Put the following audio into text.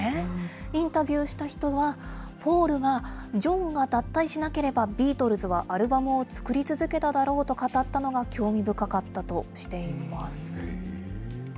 インタビューした人は、ポールが、ジョンが脱退しなければビートルズはアルバムを作り続けただろうと語ったのが興味深かったとしています。